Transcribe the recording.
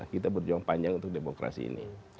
kita berjuang panjang untuk demokrasi ini